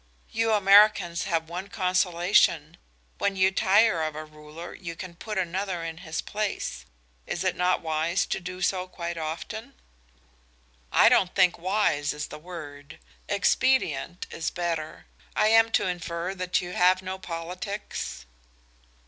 "You Americans have one consolation; when you tire of a ruler you can put another in his place. Is it not wise to do so quite often?" "I don't think wise is the word. Expedient is better. I am to infer that you have no politics."